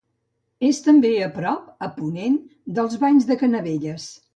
És també a prop, a ponent, dels Banys de Canavelles.